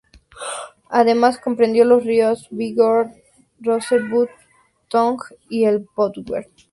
Además comprende los ríos Bighorn, Rosebud, Tongue y el Powder.